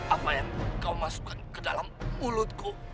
apa yang kau masukkan ke dalam mulutku